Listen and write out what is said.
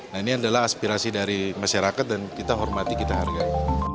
nah ini adalah aspirasi dari masyarakat dan kita hormati kita hargai